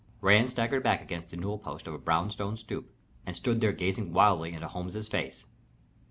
Rand staggered back against the newel post of a brown stone stoop, and stood there gazing wildly into Holmes's face.